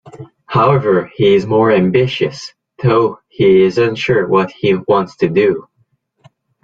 However, he is more ambitious, though he is unsure what he wants to do.